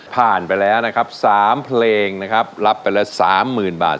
ผ่านไปแล้วนะครับสามเพลงนะครับรับไปแล้วสามหมื่นบาท